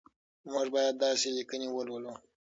موږ باید داسې لیکنې ولولو.